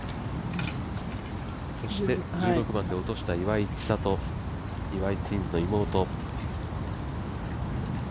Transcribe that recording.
そして１６番で落とした岩井千怜、岩井ツインズの妹。